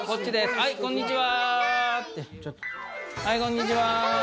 はいこんにちは。